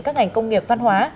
các ngành công nghiệp văn hóa